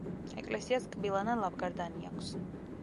ეკლესიას კბილანა ლავგარდანი აქვს.